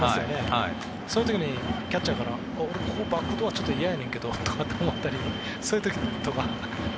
そういう時にキャッチャーからバックドアはちょっと嫌やねんけどとかそういう時とか。